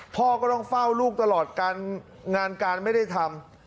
พ่อก็ต้องเฝ้าลูกตลอดการงานการไม่ได้ทำ